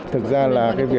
thực ra là